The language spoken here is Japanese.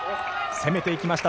攻めていきました